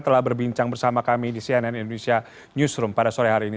telah berbincang bersama kami di cnn indonesia newsroom pada sore hari ini